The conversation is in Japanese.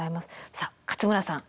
さあ勝村さん